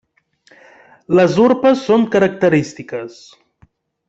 Les urpes són característiques.